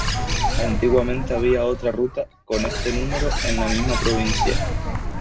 Antiguamente había otra ruta con este número en la misma provincia.